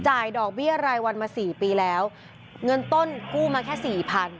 ดอกเบี้ยรายวันมาสี่ปีแล้วเงินต้นกู้มาแค่สี่พัน